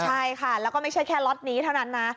ใช่ค่ะแล้วก็ไม่ใช่แค่ล็อตนี้เท่านั้นนะ